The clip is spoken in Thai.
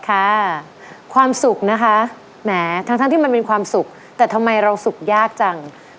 ค่ะความสุขนะคะแหมทั้งที่มันเป็นความสุขแต่ทำไมเราสุขยากจัง